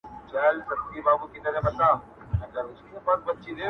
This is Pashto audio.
سپی دي څنکه ښخوی د مړو خواته,